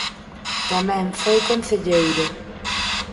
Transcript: Tamén foi concelleiro.